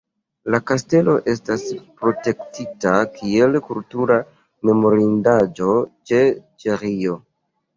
La kastelo estas protektita kiel kultura memorindaĵo de Ĉeĥio.